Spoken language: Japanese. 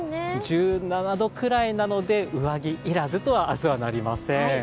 １７度くらいなので上着要らずとは、明日はなりません。